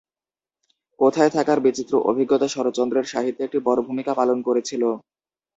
কোথায় থাকার বিচিত্র অভিজ্ঞতা শরৎচন্দ্রের সাহিত্যে একটি বড় ভূমিকা পালন করেছিল?